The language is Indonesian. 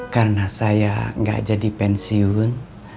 karena saya gak jadi pensiun